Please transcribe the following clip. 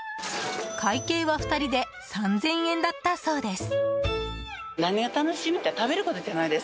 会計は２人で３０００円だったそうです。